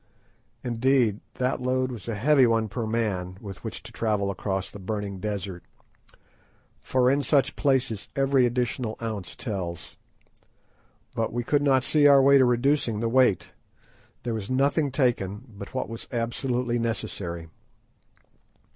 Indeed, that load was a heavy one per man with which to travel across the burning desert, for in such places every additional ounce tells. But we could not see our way to reducing the weight. There was nothing taken but what was absolutely necessary.